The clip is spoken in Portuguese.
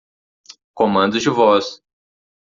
Comandos de voz.